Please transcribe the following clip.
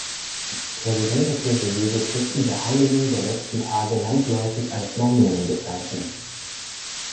Präsident der Kirche Jesu Christi der Heiligen der Letzten Tage, landläufig als Mormonen bezeichnet.